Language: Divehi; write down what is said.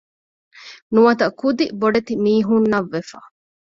ނުވަތަ ކުދި ބޮޑެތި މީހުންނަށް ވެފަ